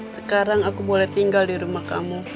sekarang aku boleh tinggal di rumah kamu